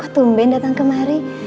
kok tumben datang kemari